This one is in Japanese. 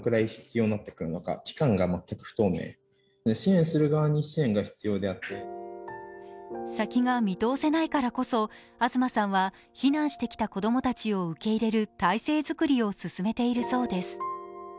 受け入れる側にも不安が先が見通せないからこそ東さんは避難してきた子供たちを受け入れる体制づくりを進めているそうです。